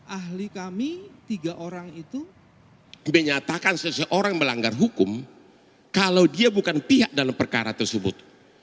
ahli kami tiga orang itu menyatakan seseorang melanggar hukum kalau dia bukan pihak dalam perkara tersebut